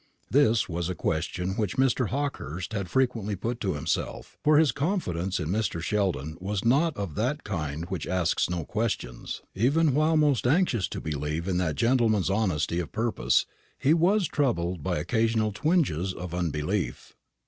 This was a question which Mr. Hawkehurst had frequently put to himself; for his confidence in Mr. Sheldon was not of that kind which asks no questions. Even while most anxious to believe in that gentleman's honesty of purpose, he was troubled by occasional twinges of unbelief.